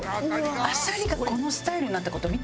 アサリがこのスタイルになった事見て。